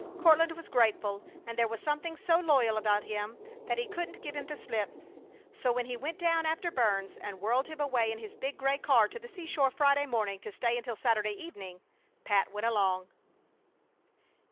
Courtland was grateful, and there was something so loyal about him that he couldn't give him the slip. So when he went down after Burns and whirled him away in his big gray car to the seashore Friday morning to stay until Saturday evening, Pat went along.